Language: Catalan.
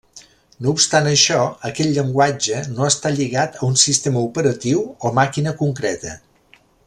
No obstant això, aquest llenguatge no està lligat a un sistema operatiu o màquina concreta.